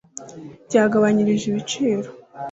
byagabanyirijwe ibiciro